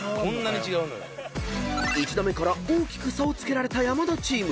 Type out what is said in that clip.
［１打目から大きく差をつけられた山田チーム］